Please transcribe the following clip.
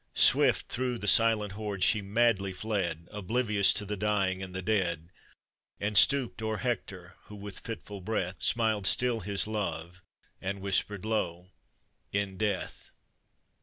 Swift through the silent horde she madly fled, Oblivious to the dying and the dead; And stooped o'er Hector, who, with fitful breath, Smiled still his love, and whispered low " In death